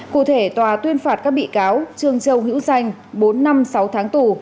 cụ thể tòa tuyên phạt các bị cáo trương châu hữu danh bốn năm sáu tháng tù